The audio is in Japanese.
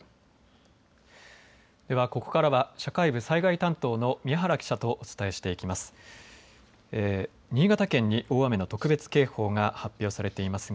ではここからは社会部災害担当の宮原記者とお伝えしていきます。